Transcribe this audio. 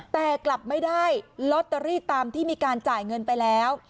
แต่กลับไม่ได้ลอตเตอรี่ตามที่มีการจ่ายเงินไปแล้ว